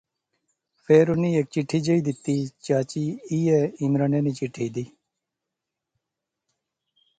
فیر انی ہیک چٹھی جئی دیتی، چاچی ایہہ عمرانے نی چٹھی دی